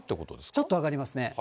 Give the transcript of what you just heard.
ちょっと上がりますね。